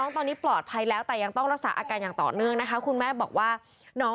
นี่ไงภาพที่เห็นคือนี่คือน้องปลาวาน